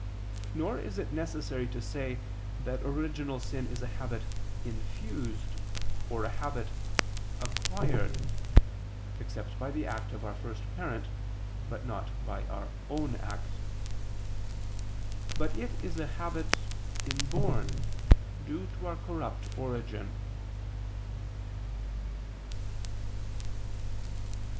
Nor is it necessary to say that original sin is a habit "infused," or a habit "acquired" (except by the act of our first parent, but not by our own act): but it is a habit "inborn" due to our corrupt origin.